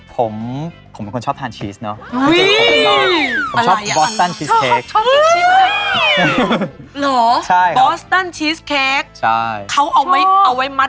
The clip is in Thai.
ผมเป็นคนชอบทานชีสเนอะ